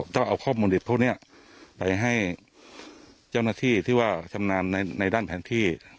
ต้องเอาข้อมูลดิบพวกนี้ไปให้เจ้าหน้าที่ที่ว่าชำนาญในด้านแผนที่